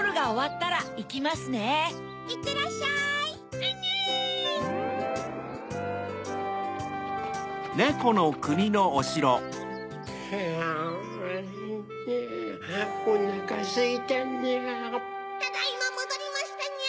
ただいまもどりましたにゃ！